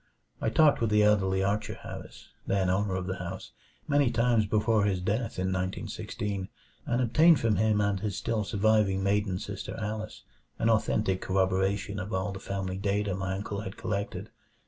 I talked with the elderly Archer Harris, then owner of the house, many times before his death in 1916; and obtained from him and his still surviving maiden sister Alice an authentic corroboration of all the family data my uncle had collected.